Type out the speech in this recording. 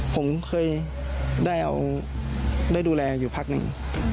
ผมเคยได้ดูแลอยู่พักหนึ่ง